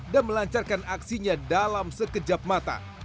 dan melancarkan aksinya dalam sekejap mata